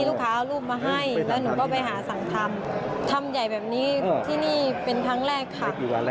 ลูกค้าเอารูปมาให้แล้วหนูก็ไปหาสั่งทำทำใหญ่แบบนี้ที่นี่เป็นครั้งแรกค่ะ